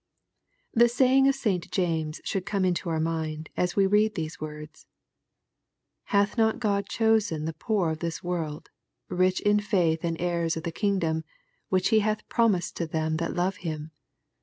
The saying of St. James should come into our mind, as we read these words :" Hath not God chosen the poor of this world, rich in faith and heirs of the kingdom, which he hath promised to them that love him."